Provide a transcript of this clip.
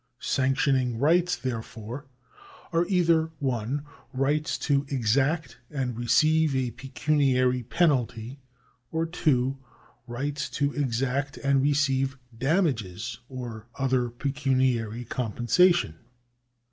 Sanctioning rights, therefore, are either (1) rights to exact and receive a pecuniary penalty, or (2) rights to exact and receive damages or other pecuniary compensation.